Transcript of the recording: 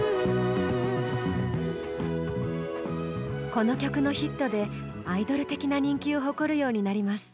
この曲のヒットでアイドル的な人気を誇るようになります。